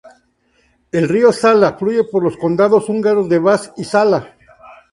El río Zala fluye por los condados húngaros de Vas y Zala.